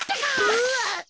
うわっ！